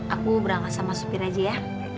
aku berangkat sama supir aja ya